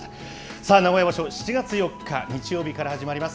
さあ、名古屋場所、７月４日日曜日から始まります。